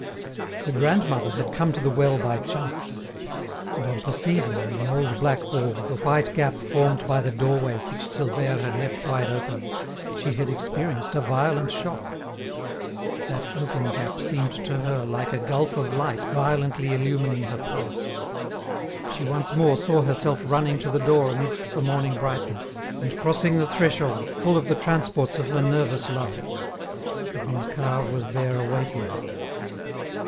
The grandmother had come to the well by chance. And on perceiving, in the old black wall, the white gap formed by the doorway which Silvère had left wide open, she had experienced a violent shock. That open gap seemed to her like a gulf of light violently illumining her past. She once more saw herself running to the door amidst the morning brightness, and crossing the threshold full of the transports of her nervous love. And Macquart was there awaiting her.